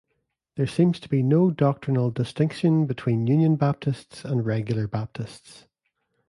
There seems to be no doctrinal distinction between Union Baptists and Regular Baptists.